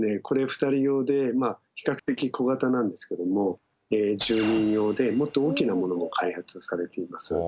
これ２人用で比較的小型なんですけども１０人用でもっと大きなものも開発されています。